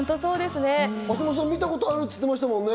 橋本さん見たことあるって言ってましたもんね。